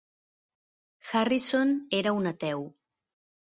Harrison era un ateu.